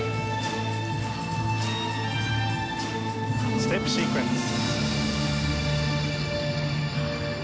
ステップシークエンス。